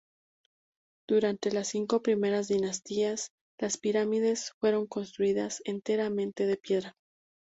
Durante las cinco primeras dinastías, las pirámides fueron construidas enteramente de piedra.